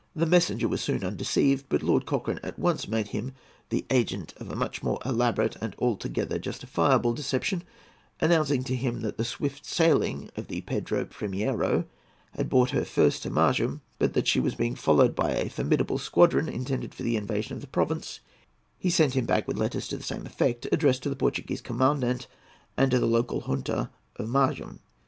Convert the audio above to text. The messenger was soon undeceived, but Lord Cochrane at once made him the agent of a much more elaborate and altogether justifiable deception Announcing to him that the swift sailing of the Pedro Primiero had brought her first to Maranham, but that she was being followed by a formidable squadron, intended for the invasion of the province, he sent him back with letters to the same effect, addressed to the Portuguese commandant and to the local Junta of Maranham.